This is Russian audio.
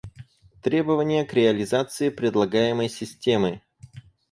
Требования к реализации предлагаемой системы